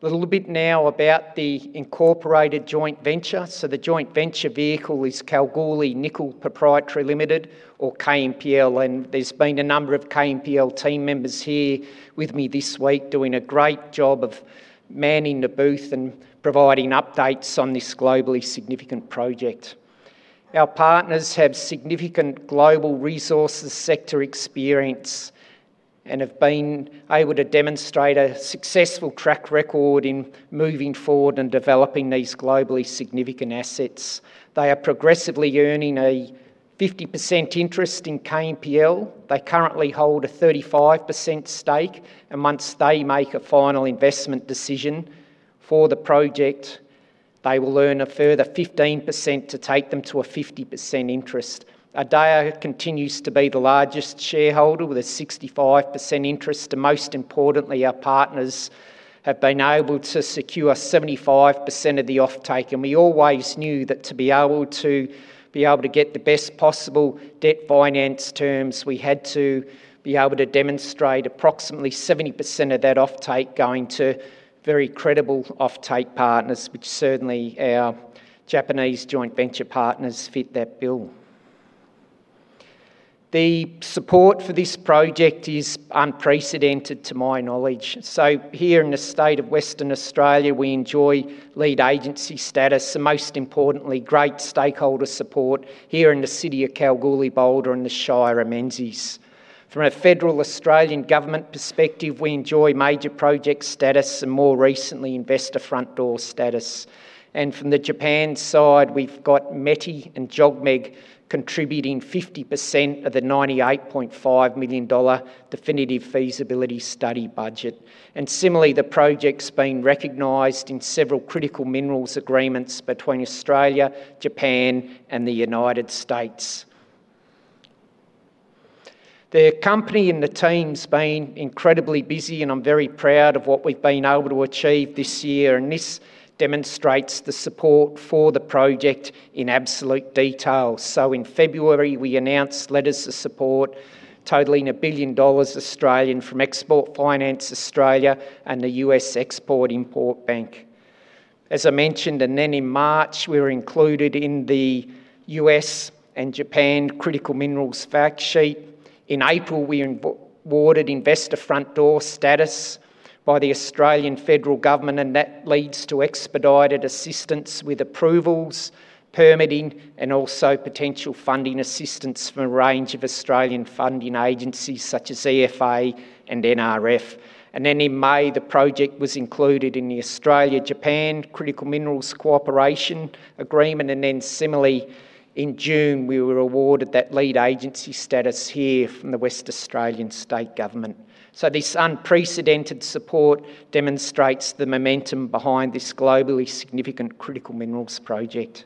A little bit now about the incorporated joint venture. The joint venture vehicle is Kalgoorlie Nickel Pty Ltd, or KNPL, and there has been a number of KNPL team members here with me this week doing a great job of manning the booth and providing updates on this globally significant project. Our partners have significant global resources sector experience and have been able to demonstrate a successful track record in moving forward and developing these globally significant assets. They are progressively earning a 50% interest in KNPL. They currently hold a 35% stake, and once they make a final investment decision for the project, they will earn a further 15% to take them to a 50% interest. Ardea continues to be the largest shareholder with a 65% interest, and most importantly, our partners have been able to secure 75% of the offtake. We always knew that to be able to get the best possible debt finance terms, we had to be able to demonstrate approximately 70% of that offtake going to very credible offtake partners, which certainly our Japanese joint venture partners fit that bill. The support for this project is unprecedented to my knowledge. Here in the state of Western Australia, we enjoy Lead Agency Status and, most importantly, great stakeholder support here in the city of Kalgoorlie-Boulder in the Shire of Menzies. From a federal Australian government perspective, we enjoy Major Project Status and more recently, Investor Front Door Status. From the Japan side, we have METI and JOGMEC contributing 50% of the 98.5 million dollar definitive feasibility study budget. Similarly, the project has been recognized in several critical minerals agreements between Australia, Japan, and the United States. The company and the team has been incredibly busy. I am very proud of what we have been able to achieve this year, and this demonstrates the support for the project in absolute detail. In February, we announced letters of support totaling 1 billion dollars from Export Finance Australia and the U.S. Export-Import Bank. As I mentioned, in March, we were included in the U.S. and Japan Critical Minerals fact sheet. In April, we awarded Investor Front Door Status by the Australian Federal Government, and that leads to expedited assistance with approvals, permitting, and also potential funding assistance from a range of Australian funding agencies such as EFA and NRF. In May, the project was included in the Australia-Japan Critical Minerals Cooperation Agreement. Similarly, in June, we were awarded that Lead Agency Status here from the Western Australian State Government. This unprecedented support demonstrates the momentum behind this globally significant critical minerals project.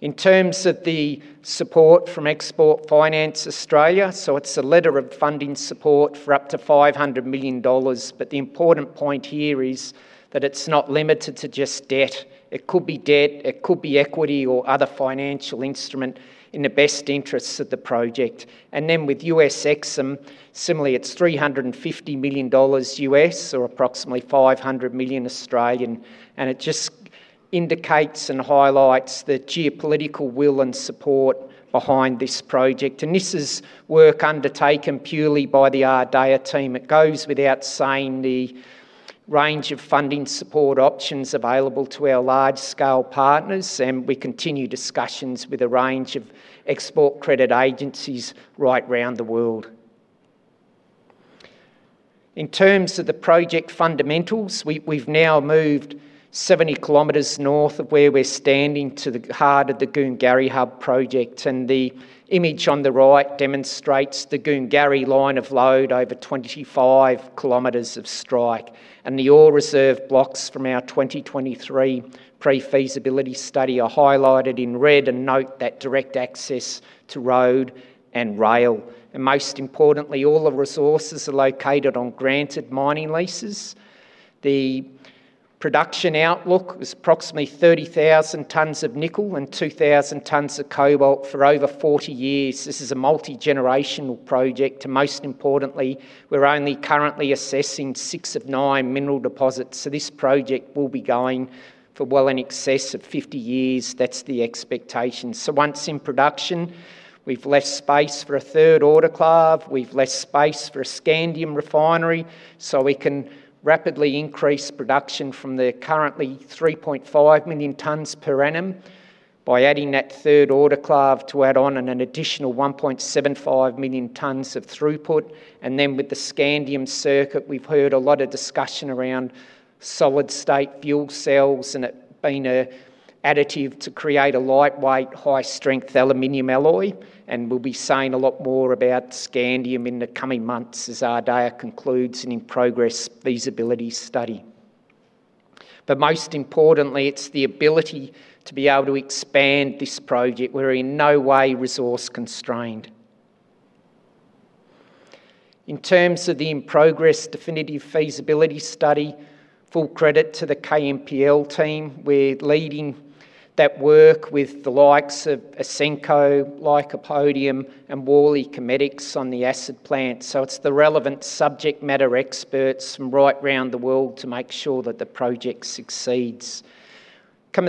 In terms of the support from Export Finance Australia, it is a letter of funding support for up to 500 million dollars. The important point here is that it is not limited to just debt. It could be debt, it could be equity or other financial instrument in the best interests of the project. With U.S. EXIM, similarly, it is $350 million or approximately 500 million. It just indicates and highlights the geopolitical will and support behind this project. This is work undertaken purely by the Ardea team. It goes without saying the range of funding support options available to our large-scale partners, and we continue discussions with a range of export credit agencies right around the world. In terms of the project fundamentals, we've now moved 70 km north of where we're standing to the heart of the Goongarrie Hub project. The image on the right demonstrates the Goongarrie line of lode over 25 km of strike. The ore reserve blocks from our 2023 pre-feasibility study are highlighted in red. Note that direct access to road and rail. Most importantly, all the mineral resources are located on granted mining leases. The production outlook is approximately 30,000 tons of nickel and 2,000 tons of cobalt for over 40 years. This is a multi-generational project. Most importantly, we're only currently assessing six of nine mineral deposits, so this project will be going for well in excess of 50 years. That's the expectation. Once in production, we've less space for a third autoclave, we've less space for a scandium refinery, so we can rapidly increase production from the currently 3.5 million tons per annum by adding that third autoclave to add on an additional 1.75 million tons of throughput. With the scandium circuit, we've heard a lot of discussion around solid-state fuel cells and it being an additive to create a lightweight, high-strength aluminum alloy. We'll be saying a lot more about scandium in the coming months as Ardea concludes an in-progress feasibility study. Most importantly, it's the ability to be able to expand this project. We're in no way resource-constrained. In terms of the in-progress definitive feasibility study, full credit to the KNPL team. We're leading that work with the likes of Ausenco, Lycopodium, and Worley Chemetics on the acid plant. It's the relevant subject matter experts from right around the world to make sure that the project succeeds.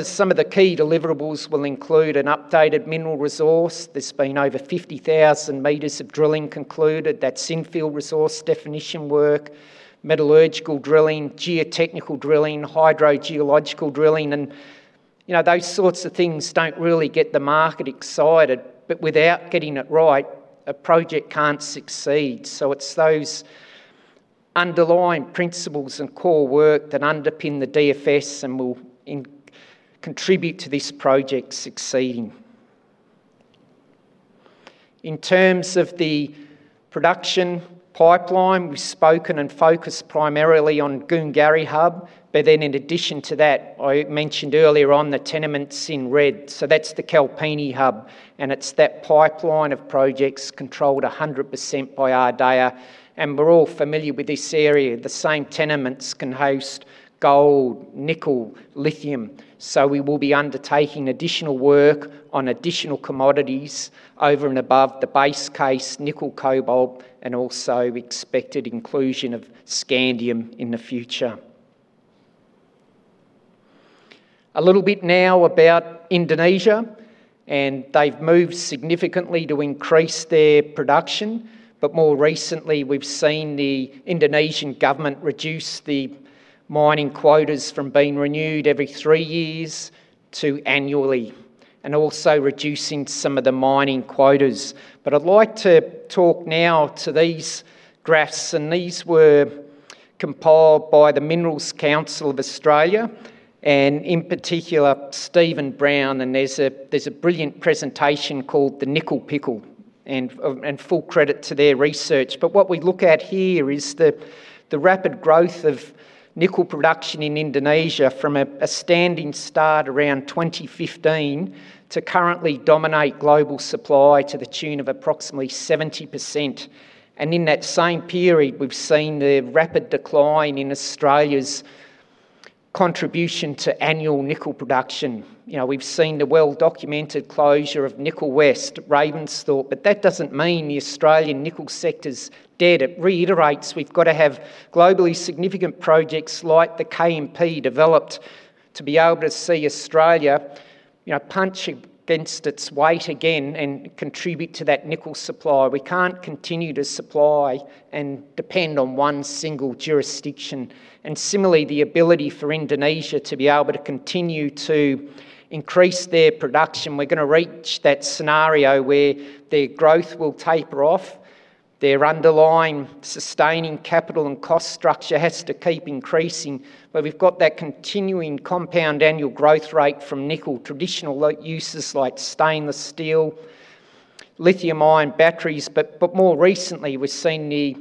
Some of the key deliverables will include an updated mineral resource. There's been over 50,000 m of drilling concluded. That's infill resource definition work, metallurgical drilling, geotechnical drilling, hydrogeological drilling. Those sorts of things don't really get the market excited. Without getting it right, a project can't succeed. It's those underlying principles and core work that underpin the DFS and will contribute to this project succeeding. In terms of the production pipeline, we've spoken and focused primarily on Goongarrie Hub. In addition to that, I mentioned earlier on the tenements in red. That's the Kalpini Hub, and it's that pipeline of projects controlled 100% by Ardea. We're all familiar with this area. The same tenements can host gold, nickel, lithium. We will be undertaking additional work on additional commodities over and above the base case, nickel, cobalt, and also expected inclusion of scandium in the future. A little bit now about Indonesia. They've moved significantly to increase their production. More recently, we've seen the Indonesian government reduce the mining quotas from being renewed every three years to annually, also reducing some of the mining quotas. I'd like to talk now to these graphs. These were compiled by the Minerals Council of Australia and, in particular, Steven Brown. There's a brilliant presentation called the Nickel Pickle. Full credit to their research. What we look at here is the rapid growth of nickel production in Indonesia from a standing start around 2015 to currently dominate global supply to the tune of approximately 70%. In that same period, we've seen the rapid decline in Australia's contribution to annual nickel production. We've seen the well-documented closure of Nickel West at Ravensthorpe. That doesn't mean the Australian nickel sector's dead. It reiterates we've got to have globally significant projects like the KNP developed to be able to see Australia punch against its weight again and contribute to that nickel supply. We can't continue to supply and depend on one single jurisdiction. Similarly, the ability for Indonesia to be able to continue to increase their production. We're going to reach that scenario where their growth will taper off. Their underlying sustaining capital and cost structure has to keep increasing. We've got that continuing compound annual growth rate from nickel, traditional uses like stainless steel, lithium-ion batteries. More recently, we've seen the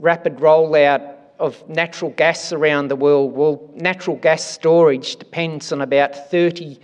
rapid rollout of natural gas around the world. Natural gas storage depends on about 30%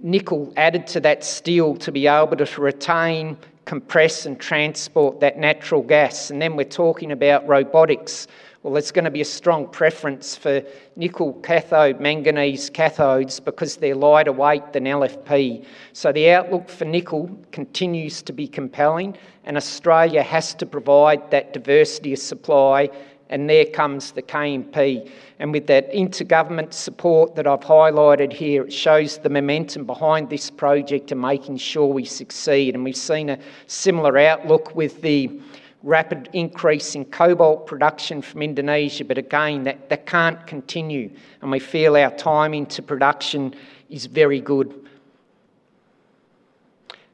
nickel added to that steel to be able to retain, compress, and transport that natural gas. Then we're talking about robotics. There's going to be a strong preference for nickel cathode, manganese cathodes because they're lighter weight than LFP. The outlook for nickel continues to be compelling, and Australia has to provide that diversity of supply, and there comes the KNP. With that inter-government support that I've highlighted here, it shows the momentum behind this project and making sure we succeed. We've seen a similar outlook with the rapid increase in cobalt production from Indonesia. Again, that can't continue, and we feel our timing to production is very good.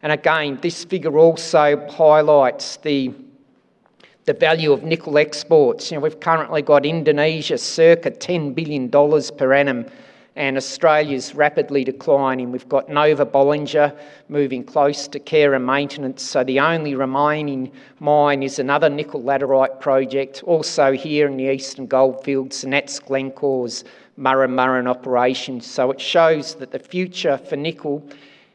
Again, this figure also highlights the value of nickel exports. We've currently got Indonesia circa 10 billion dollars per annum, and Australia's rapidly declining. We've got Nova-Bollinger moving close to care and maintenance. The only remaining mine is another nickel laterite project also here in the Eastern Goldfields, and that's Glencore's Murrin Murrin operation. It shows that the future for nickel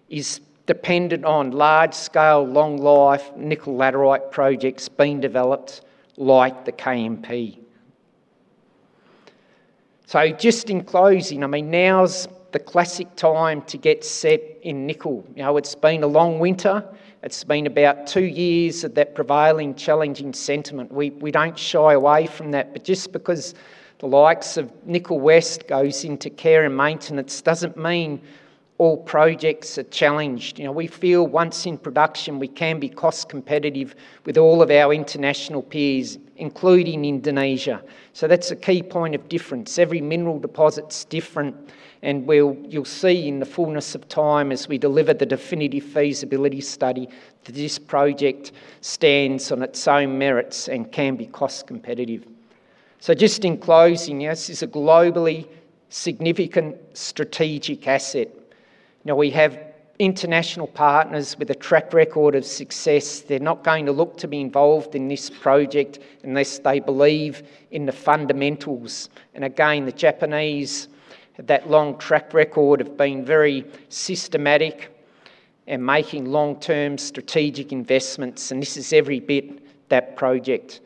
is dependent on large-scale, long-life nickel laterite projects being developed, like the KNP. Just in closing, now's the classic time to get set in nickel. It's been a long winter. It's been about two years of that prevailing challenging sentiment. We don't shy away from that. Just because the likes of Nickel West goes into care and maintenance doesn't mean all projects are challenged. We feel once in production, we can be cost-competitive with all of our international peers, including Indonesia. That's a key point of difference. Every mineral deposit's different, and you'll see in the fullness of time as we deliver the definitive feasibility study that this project stands on its own merits and can be cost-competitive. Just in closing, this is a globally significant strategic asset. We have international partners with a track record of success. They're not going to look to be involved in this project unless they believe in the fundamentals. Again, the Japanese, that long track record of being very systematic and making long-term strategic investments, and this is every bit that project.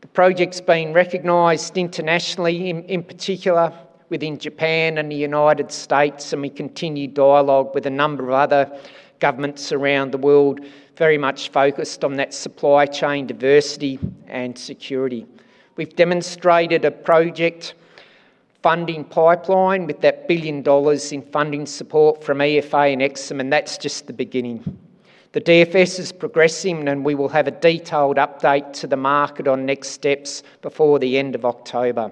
The project's been recognized internationally, in particular within Japan and the United States, and we continue dialogue with a number of other governments around the world, very much focused on that supply chain diversity and security. We've demonstrated a project funding pipeline with that 1 billion dollars in funding support from EFA and EXIM. That's just the beginning. The DFS is progressing, and we will have a detailed update to the market on next steps before the end of October.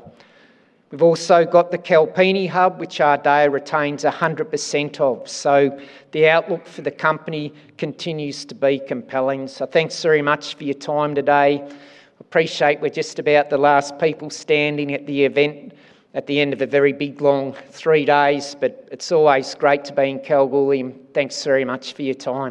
We've also got the Kalpini Hub, which Ardea retains 100% of. The outlook for the company continues to be compelling. Thanks very much for your time today. Appreciate we're just about the last people standing at the event at the end of a very big, long three days, but it's always great to be in Kalgoorlie, and thanks very much for your time.